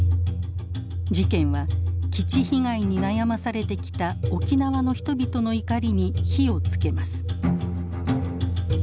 事件は基地被害に悩まされてきた沖縄の人々の怒りに火をつけます。